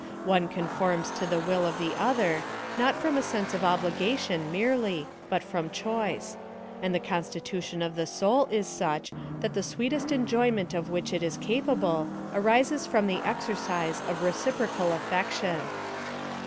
One conforms to the will of the other, not from a sense of obligation merely, but from choice ; and the constitution of the soul PLAN OF SALVATION. 79 lis such that the sweetest enjoyment of which it is capable arises /rem the exercise of reciprocal affec tion.